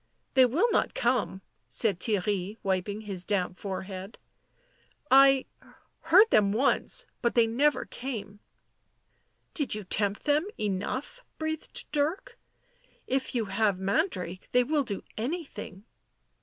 " They will not come," said Theirry, wiping his damp forehead. " I — heard them once — but they never came." u Did you tempt them enough?" breathed Dirk. " If you have Mandrake they will do anything."